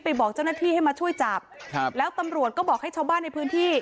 บอกเจ้าหน้าที่ให้มาช่วยจับครับแล้วตำรวจก็บอกให้ชาวบ้านในพื้นที่